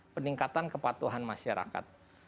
peningkatan kepatuhan masyarakat